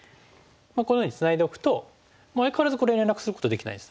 このようにツナいでおくと相変わらずこれ連絡することできないです。